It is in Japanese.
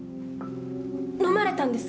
飲まれたんですか？